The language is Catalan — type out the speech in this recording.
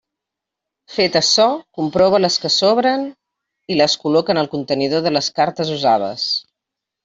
Fet açò, comprova les que sobren i les col·loca en el contenidor de les cartes usades.